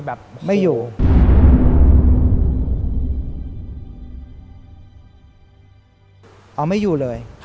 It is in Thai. ภารกิจเหล่านี้หยุด